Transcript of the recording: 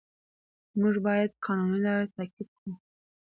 موږ باید قانوني لارې تعقیب کړو